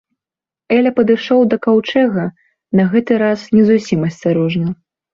Эля падышоў да каўчэга, на гэты раз не зусім асцярожна.